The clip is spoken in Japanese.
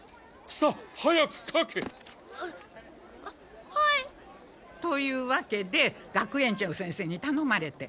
さっ早くかけ！ははい！というわけで学園長先生にたのまれて。